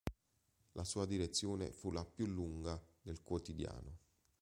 La sua direzione fu la più lunga del quotidiano.